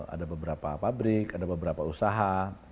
ada beberapa pabrik ada beberapa usaha